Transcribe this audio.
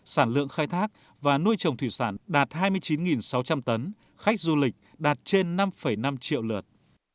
sản lượng khai thác và nuôi trồng thủy sản đạt hai mươi chín sáu trăm linh tấn khách du lịch đạt trên năm năm triệu lượt